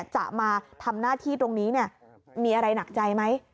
จะมาทำหน้าที่ตรงนี้มีอะไรหนักใจไหม